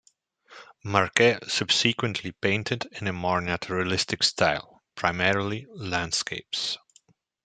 Marquet subsequently painted in a more naturalistic style, primarily landscapes.